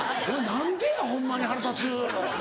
何でやホンマに腹立つ。